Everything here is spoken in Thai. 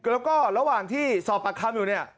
แล้วก็ระหว่างที่สอบปากคำอยู่เนี่ย